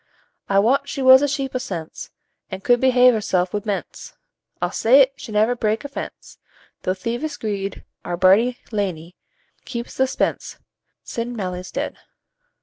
"I wat she was a sheep o' sense. An' could behave hersel' wi' mense; I'll say't, she never brak a fence, Thro' thievish greed. Our bardie, lanely, keeps the spence, Sin' Mailie's dead."